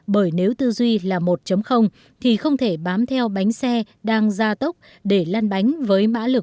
bởi nếu tư duy là một thì không thể bám theo bánh xe đang ra tốc để lan bánh với mã lực